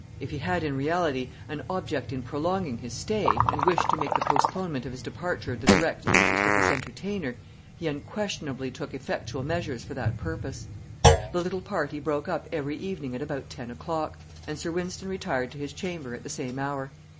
If he had in reality an object in prolonging his stay, and wished to make the postponement of his departure the direct interest of his entertainer, he unquestionably took effectual measures for that purpose. The little party broke up every evening at about ten o'clock, and Sir Wynston retired to his chamber at the same hour.